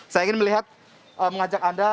saya ingin mengajak anda